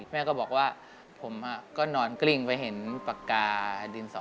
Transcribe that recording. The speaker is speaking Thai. แม่ก็บอกว่าผมก็นอนกลิ้งไปเห็นปากกาดินสอ